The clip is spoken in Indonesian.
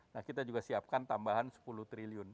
nah kita juga siapkan tambahan sepuluh triliun